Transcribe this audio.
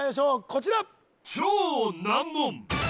こちら